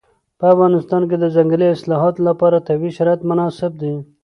په افغانستان کې د ځنګلي حاصلاتو لپاره طبیعي شرایط مناسب دي.